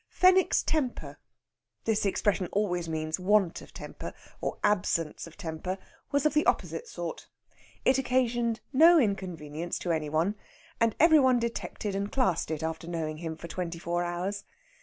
Fenwick's temper this expression always means want of temper, or absence of temper was of the opposite sort. It occasioned no inconvenience to any one, and every one detected and classed it after knowing him for twenty four hours.